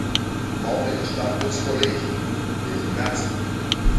M-au felicitat toți colegii, de dimineață.